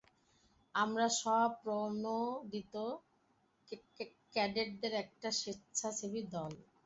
আমরা স্ব-প্রণোদিত ক্যাডেটদের একটা স্বেচ্ছাসেবী দল।